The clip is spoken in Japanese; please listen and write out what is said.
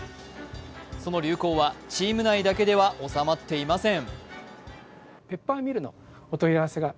その流行はチーム内だけでは収まっていません。